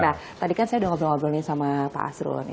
nah tadi kan saya udah ngobrol ngobrolnya sama pak asrul